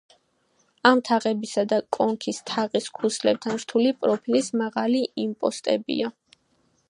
ამ თაღებისა და კონქის თაღის ქუსლებთან რთული პროფილის მაღალი იმპოსტებია.